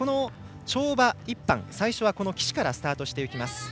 跳馬、１班、最初は岸からスタートしていきます。